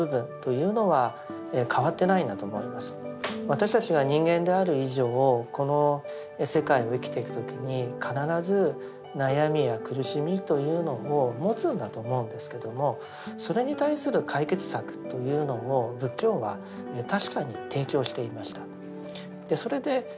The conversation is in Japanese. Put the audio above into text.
私たちが人間である以上この世界を生きていく時に必ず悩みや苦しみというのを持つんだと思うんですけどもそれに対する解決策というのを仏教は確かに提供していました。